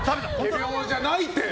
仮病じゃないって！